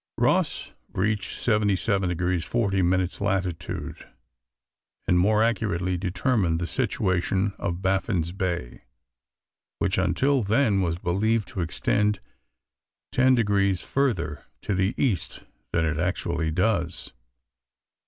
Ross reached 77 deg. 40 min. latitude, and more accurately determined the situation of Baffin's Bay, which until then was believed to extend 10 deg. further to the east than it actually does.